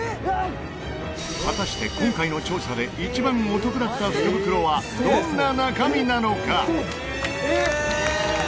果たして、今回の調査で一番お得だった福袋はどんな中身なのか？